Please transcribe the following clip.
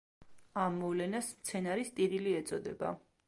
ამ მოვლენას მცენარის ტირილი ეწოდება.